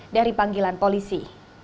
dari panggilan polisi